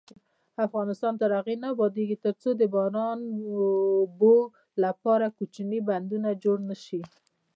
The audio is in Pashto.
افغانستان تر هغو نه ابادیږي، ترڅو د باران اوبو لپاره کوچني بندونه جوړ نشي.